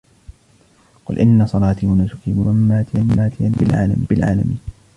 قُلْ إِنَّ صَلَاتِي وَنُسُكِي وَمَحْيَايَ وَمَمَاتِي لِلَّهِ رَبِّ الْعَالَمِينَ